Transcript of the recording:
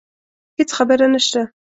هیڅ خبره نشته